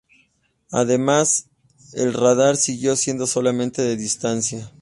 Además, el radar siguió siendo solamente de distancia.